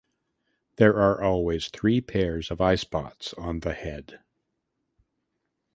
There are always three pairs of eyespots on the head.